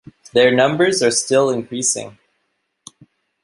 Their numbers are still increasing.